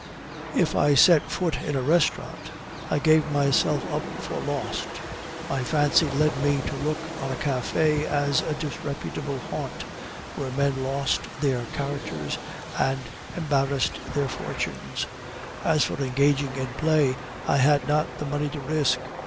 "If I set foot in a restaurant, I gave myself up for lost; my fancy led me to look on a cafe as a disreputable haunt, where men lost their characters and embarrassed their fortunes; as for engaging in play, I had not the money to risk.